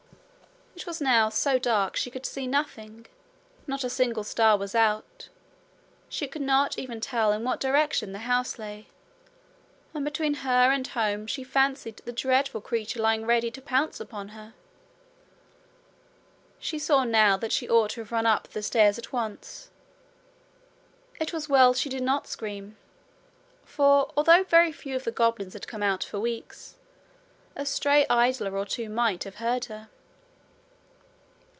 It was now so dark she could see nothing. Not a single star was out. She could not even tell in what direction the house lay, and between her and home she fancied the dreadful creature lying ready to pounce upon her. She saw now that she ought to have run up the stairs at once. It was well she did not scream; for, although very few of the goblins had come out for weeks, a stray idler or two might have heard her.